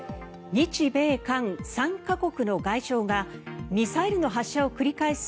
日米韓３か国の外相がミサイルの発射を繰り返す